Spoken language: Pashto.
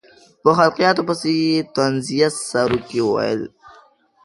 په خلقیاتو پسې یې طنزیه سروکي وویل.